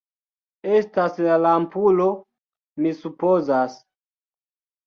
Estas la lampulo, mi supozas.